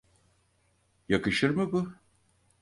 Yakışır mı bu?